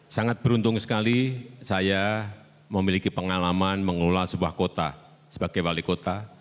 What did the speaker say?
sangat beruntung sekali saya memiliki pengalaman mengelola sebuah kota sebagai wali kota